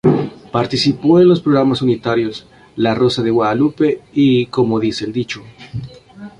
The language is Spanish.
Participó en los programas unitarios "La rosa de Guadalupe" y "Como dice el dicho".